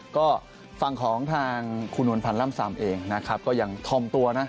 ก็ฝั่งของทางคุณนวลพันธ์ล่ำซำเองนะครับก็ยังทอมตัวนะ